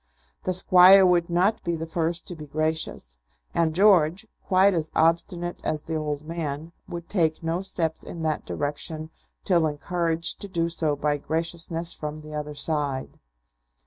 The Squire would not be the first to be gracious; and George, quite as obstinate as the old man, would take no steps in that direction till encouraged to do so by graciousness from the other side.